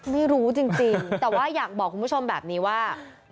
ไม่รู้จริงแต่ว่าอยากบอกคุณผู้ชมแบบนี้ว่า